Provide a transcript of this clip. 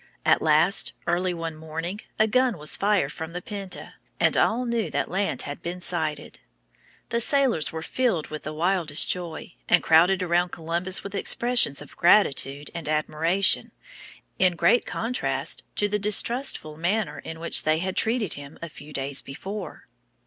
At last, early one morning, a gun was fired from the Pinta, and all knew that land had been sighted. The sailors were filled with the wildest joy, and crowded around Columbus with expressions of gratitude and admiration, in great contrast to the distrustful manner in which they had treated him a few days before.